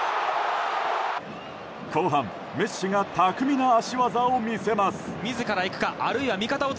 後半、メッシが巧みな足技を見せます。